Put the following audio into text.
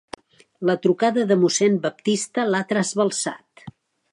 La trucada de mossèn Baptista l'ha trasbalsat.